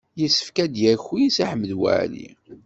Yessefk ad d-yaki Si Ḥmed Waɛli.